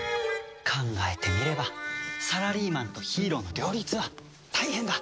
考えてみればサラリーマンとヒーローの両立は大変だ。